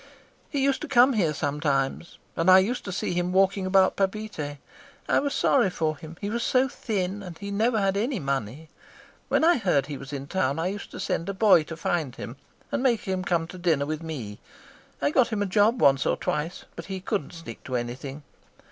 "He used to come here sometimes, and I used to see him walking about Papeete. I was sorry for him, he was so thin, and he never had any money. When I heard he was in town, I used to send a boy to find him and make him come to dinner with me. I got him a job once or twice, but he couldn't stick to anything.